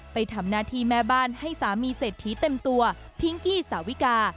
ไปทำหน้าที่แม่บ้านให้สามีเศรษฐีเต็มตัวพิงกี้สาวิกา